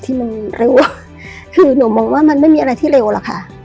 ที่มันเร็วคือหนูมองว่ามันไม่มีอะไรที่เร็วหรอกค่ะ